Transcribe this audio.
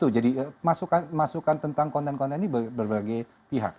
jadi masukan tentang konten konten ini berbagai pihak